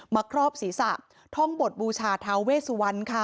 ครอบศีรษะท่องบทบูชาทาเวสุวรรณค่ะ